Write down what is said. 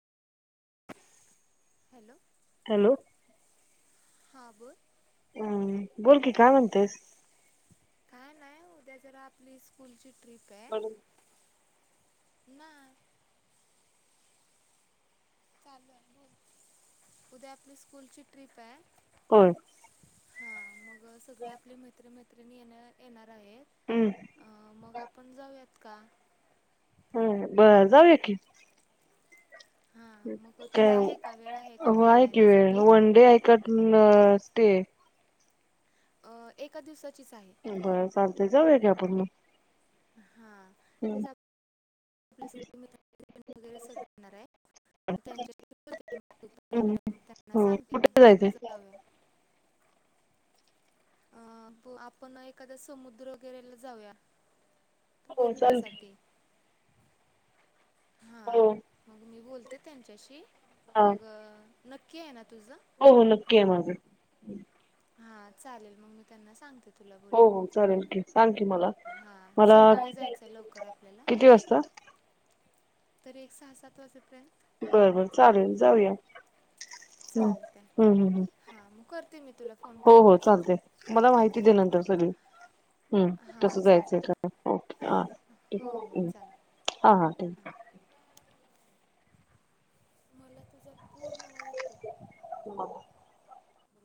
Hello हा बोल हम् बोल की काय म्हणतेस? नाय उद्या जरा आपली स्कूलची [unintelligible] नाय. चालू आहे बोल उद्या आपली स्कूलची ट्रिप हाय काय हा मग अ सगळे आपले मित्रमैत्रि त्रिणी येणं येणात आहेत हम्म अ मग आपण जाऊयात का? ह बरं जाऊया की, हां मग तुला काय आहे का वेळ का हो तुला आहे की वेळ येण्यासाठी वन डे हाय का स्टे अ एका दिवसात बरं चालतय जाऊया की आप [inaudible] हा तेच आत [unintelligible] आपल्याला [unintelligible] त्यानां हो सांगते कुठे जायचंय [unintelligible] अं आपण एखादा समुद्र वगैरेला जाऊया हो चालेल की फिरण्यासाठी हा हो मग मी बोलते त्यांच्याशी हा मग नक्की आहे ना तुझं हो हो नक्की आहे माझं हा चालेल मग मी त्यांना सांगते तुला हो बोलून हो चालेल की सांग की मला हां मला सकाळी जायचं आहे किती वाजता तर एक सहा सात वाजेपर्यंत बरबर चालेल जाऊया. हूं हूं चालतंय हूं हूं हूं हां मग करते मी तुला फोन हो हो करते चालतय सकाळी मला माहिती दे नंतर सगळी हूं हां कस चालेल जायचंय काय ओके हा हो हो चालेल हा ठीक हां ये. [inaudible]